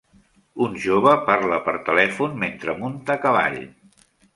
Un jove parla per telèfon mentre munta a cavall.